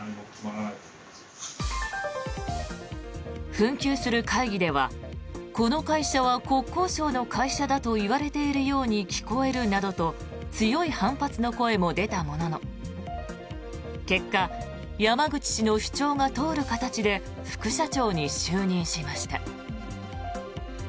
紛糾する会議ではこの会社は国交省の会社だと言われているように聞こえるなどと強い反発の声も出たものの結果、山口氏の主張が通る形で副社長に就任しました。